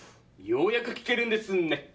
ようやく聞けるんですね。